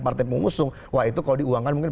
partai pengusung wah itu kalau diuangkan mungkin